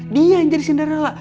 dia yang jadi cinderella